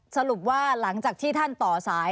สรุปว่าหลังจากที่ท่านต่อสาย